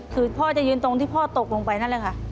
คือพ่อจะยืนตรงที่พ่อตกลงไปนั่นแหละค่ะ